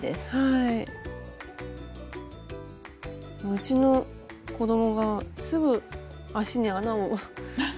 うちの子供がすぐ足に穴をあの。